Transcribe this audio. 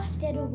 aku di kunci